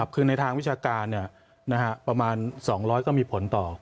คือในทางวิชาการประมาณ๒๐๐ก็มีผลต่อ